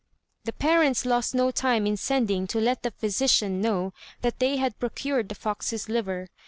The parents lost no time in sending to let the physician know that they had procured the fox's liver.